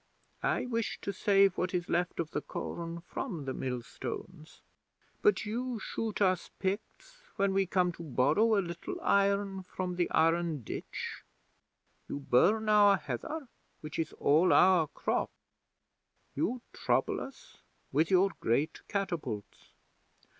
I wish to save what is left of the corn from the millstones. But you shoot us Picts when we come to borrow a little iron from the Iron Ditch; you burn our heather, which is all our crop; you trouble us with your great catapults.